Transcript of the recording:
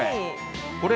これ。